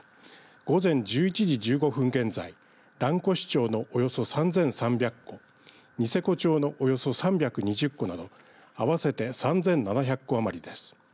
午前１１時１５分現在蘭越町のおよそ３３００戸ニセコ町のおよそ３２０戸など合わせて３７００戸余りです。